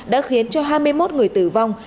đã khiến cho hai mươi một người tử vong